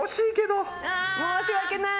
申し訳ない。